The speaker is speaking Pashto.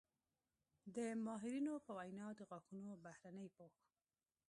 د ماهرینو په وینا د غاښونو بهرني پوښ